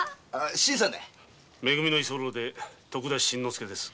め組の居候・徳田新之助です。